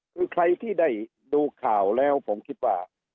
คือใครที่ได้ดูข่าวแล้วผมคิดว่า